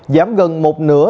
giảm gần một nửa